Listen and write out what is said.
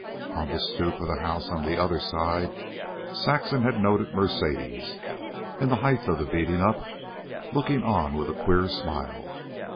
On the stoop of the house on the other side, Saxon had noted Mercedes, in the height of the beating up, looking on with a queer smile.